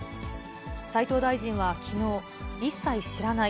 斉藤大臣はきのう、一切知らない。